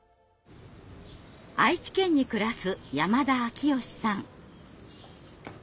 愛知県に暮らす山田昭義さん。